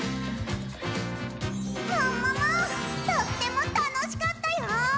もももとってもたのしかったよ！